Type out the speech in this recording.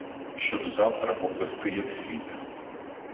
Щоб завтра поплисти як світ.